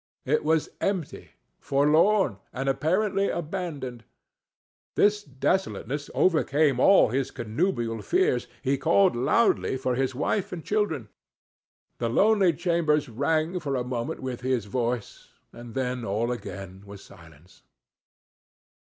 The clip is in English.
It was empty, forlorn, and apparently abandoned. This desolateness overcame all his connubial fears—he called loudly for his wife and children—the lonely chambers rang for a moment with his voice, and then all again was silence.